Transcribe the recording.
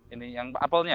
ini yang apelnya